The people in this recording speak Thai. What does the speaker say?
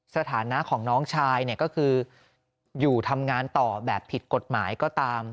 สถานะของน้องชายเนี่ยก็คืออยู่ทำงานต่อแบบผิดกฎหมายก็ตาม